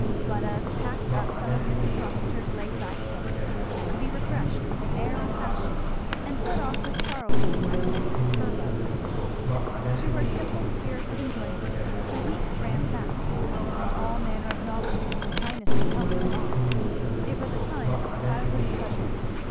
Fleda packed up some of Mrs. Rossitur's laid by silks, to be refreshed with an air of fashion, and set off with Charlton at the end of his furlough. To her simple spirit of enjoyment the weeks ran fast; and all manner of novelties and kindnesses helped them on. It was a time of cloudless pleasure.